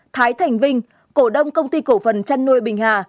bốn thái thành vinh cổ đông công ty cổ phần trăn nuôi bình hà